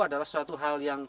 adalah suatu hal yang